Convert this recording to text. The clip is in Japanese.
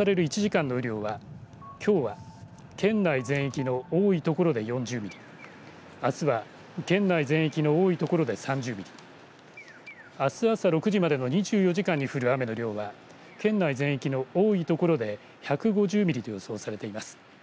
１時間の雨量はきょうは県内全域の多い所で４０ミリあすは県内全域の多い所で３０ミリあす朝６時までの２４時間に降る雨の量は県内全域の多い所で１５０ミリと予想されています。